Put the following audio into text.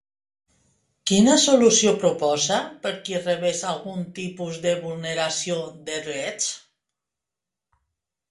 Quina solució proposa per qui rebés algun tipus de vulneració de drets?